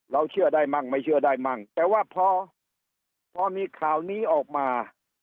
เชื่อได้มั่งไม่เชื่อได้มั่งแต่ว่าพอพอมีข่าวนี้ออกมา